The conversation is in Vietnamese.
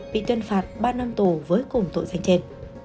bị tuyên phạt ba năm tù với cùng tội danh trên